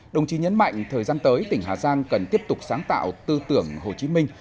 đồng chí nhấn mạnh thời gian tới tỉnh hà giang cần tiếp tục sáng tạo tư tưởng hồ chí minh